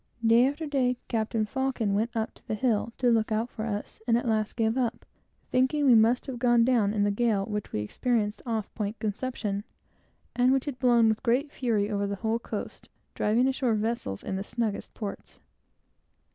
Day after day, Captain Faucon went up to the hill to look out for us, and at last, gave us up, thinking we must have gone down in the gale which we experienced off Point Conception, and which had blown with great fury over the whole coast, driving ashore several vessels in the snuggest ports.